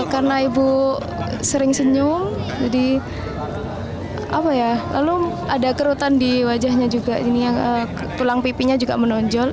karena ibu sering senyum lalu ada kerutan di wajahnya juga tulang pipinya juga menonjol